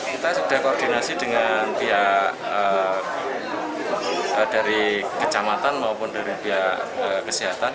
kita sudah koordinasi dengan pihak dari kecamatan maupun dari pihak kesehatan